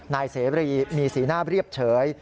นายเสรีมีสีหน้าเรียบเฉย